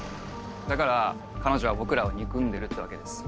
だから彼女は僕らを憎んでるってわけです。